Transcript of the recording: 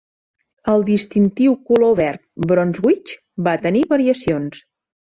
El distintiu color verd Brunswick va tenir variacions.